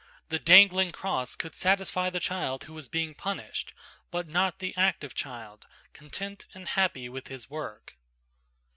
The dangling cross could satisfy the child who was being punished, but not the active child, content and happy with his work.